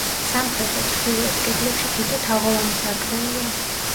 სამხრეთ და ჩრდილოეთ კედლებში თითო თაღოვანი სარკმელია.